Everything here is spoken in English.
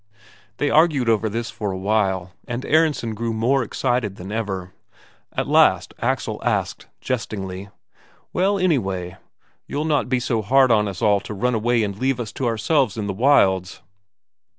They argued over this for a while, and Aronsen grew more excited than ever. At last Axel asked jestingly: "Well, anyway, you'll not be so hard on us all to run away and leave us to ourselves in the wilds?"